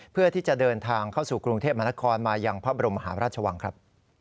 เพื่อที่จะเดินทางเข้าสู่กรุงเทพมหานครมายังพระบรมหาราชวังครับ